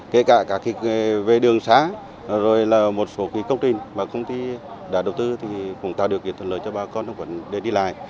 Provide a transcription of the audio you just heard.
kể cả các việc về đường xá rồi là một số cái công trình mà công ty đã đầu tư thì cũng tạo điều kiện thuận lợi cho bà con để đi lại